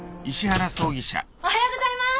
おはようございます！